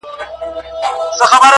په کړکۍ کي ورته پټ وو کښېنستلی-